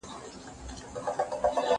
زه بايد سیر وکړم!؟